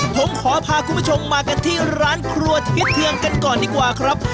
ผมขอพาคุณผู้ชมมากันที่ร้านครัวทิศเทืองกันก่อนดีกว่าครับ